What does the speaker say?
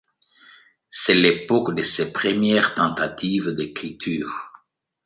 C'est l'époque de ses premières tentatives d’écriture.